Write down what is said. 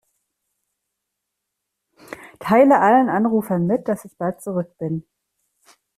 Teile allen Anrufern mit, dass ich bald zurück bin.